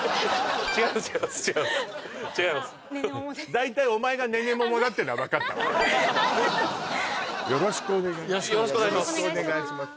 大体お前がねねももだっていうのは分かったわよろしくお願いします